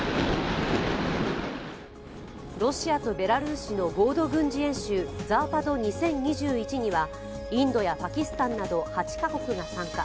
ロシアとベラルーシの合同軍事演習、ザーパド２０２１にはインドやパキスタンなど８カ国が参加。